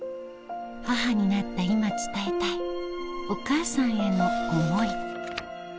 母になった今伝えたいお母さんへの思い